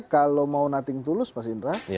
kalau mau nothing tulus pak sindra